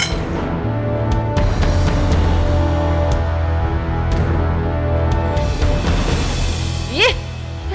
jangan jangan jangan